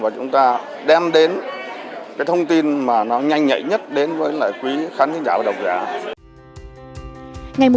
và chúng ta đem đến cái thông tin mà nó nhanh nhạy nhất đến với lại quý khán giả hội đồng giả